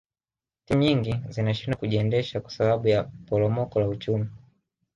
timu nyingi zinashindwa kujiendesha kwa sababu ya poromoko la uchumi